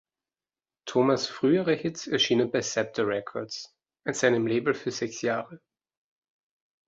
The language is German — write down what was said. Thomas' frühere Hits erschienen bei Scepter Records, seinem Label für sechs Jahre.